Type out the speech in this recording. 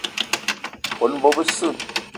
Kone bo besse